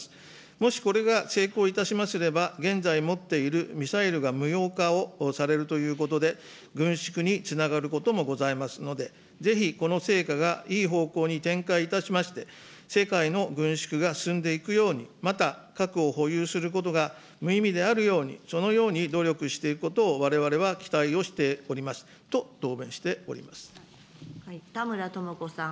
もしこれが、成功いたしますれば、現在持っているミサイルが無用化をされるということで、軍縮につながることもございますので、ぜひ、この成果がいい方向に展開いたしまして、世界の軍縮が進んでいくように、また核を保有することが無意味であるように、そのように努力していくことをわれわれは期待をしておりますと、田村智子さん。